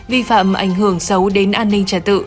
vi phạm ảnh hưởng xấu đến an ninh trả tự